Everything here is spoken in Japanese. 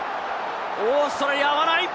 オーストラリア合わない！